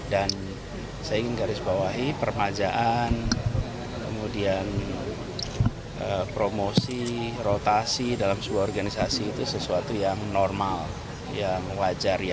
dan saya ingin garis bawahi permajaan kemudian promosi rotasi dalam sebuah organisasi itu sesuatu yang normal yang wajar